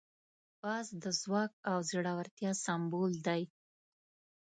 باز د ځواک او زړورتیا سمبول دی